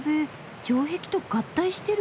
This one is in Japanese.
城壁と合体してる？